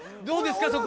どうですか？